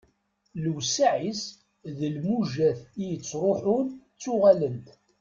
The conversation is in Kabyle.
Lewseɛ-is d lmujat i ittruḥun ttuɣalent.